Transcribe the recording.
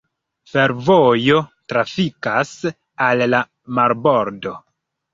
Fervojo trafikas al la marbordo.